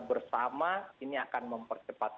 bersama ini akan mempercepat